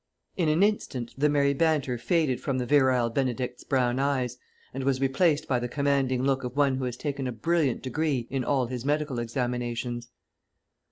In an instant the merry banter faded from the Virile Benedict's brown eyes, and was replaced by the commanding look of one who has taken a brilliant degree in all his medical examinations.